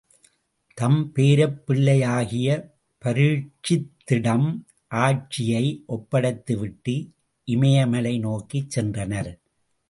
தம் பேரப்பிள்ளையாகிய பரீட்சித்திடம் ஆட்சியை ஒப்படைத்துவிட்டு இமயமலை நோக்கிச் சென்றனர்.